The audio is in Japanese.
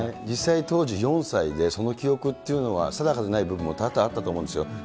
実際、当時４歳で、その記憶っていうのは定かでない部分も多々あったと思うんですよ。